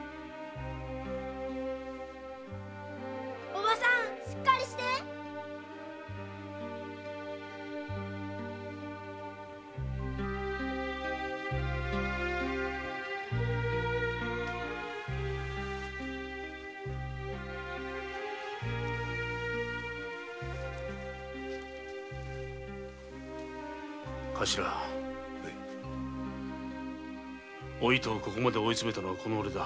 おばさんしっかりしておいとをここまで追い詰めたのはオレだ。